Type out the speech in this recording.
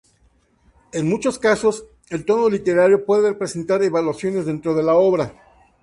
En muchos casos, el tono literario puede presentar evoluciones dentro de la obra.